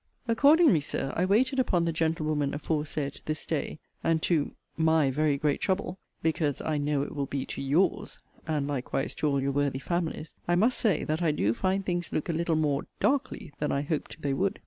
Accordingly, Sir, I waited upon the gentlewoman aforesaid, this day; and, to 'my' very great trouble, (because I know it will be to 'your's,' and likewise to all your worthy family's,) I must say, that I do find things look a little more 'darkly' than I hoped the would.